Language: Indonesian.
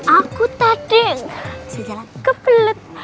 aku tadi bisa jalan ke pelet